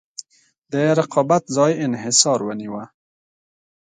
د رقابت ځای انحصار ونیوه.